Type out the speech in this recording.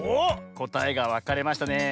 こたえがわかれましたね。